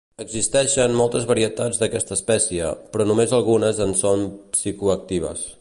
Existeixen moltes varietats d'aquesta espècie, però només algunes en són psicoactives.